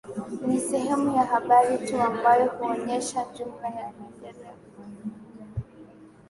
Ni sehemu ya habari tu ambayo huonyesha jumla ya maendeleo